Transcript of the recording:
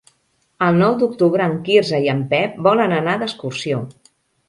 El nou d'octubre en Quirze i en Pep volen anar d'excursió.